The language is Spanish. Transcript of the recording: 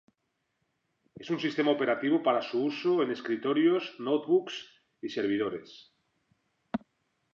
Es un sistema operativo para su uso en escritorios, "notebooks" y servidores.